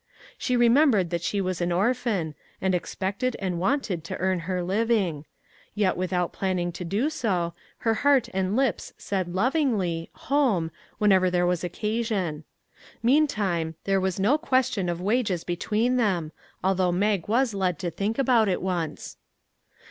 She remembered that she was an orphan, and expected and wanted to earn her living; yet without plan ning to do so, her heart and lips said lovingly " home " whenever there was occasion. Mean time, there was no question of wages between them, although Mag was led to think about it once.